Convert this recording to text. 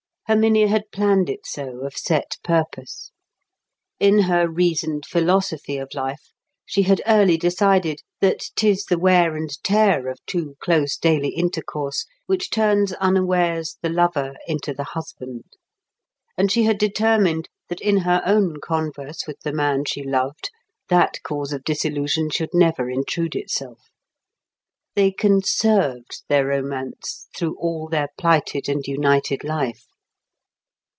Herminia had planned it so of set purpose. In her reasoned philosophy of life, she had early decided that 'tis the wear and tear of too close daily intercourse which turns unawares the lover into the husband; and she had determined that in her own converse with the man she loved that cause of disillusion should never intrude itself. They conserved their romance through all their plighted and united life.